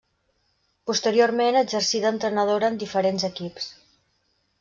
Posteriorment exercí d'entrenadora en diferents equips.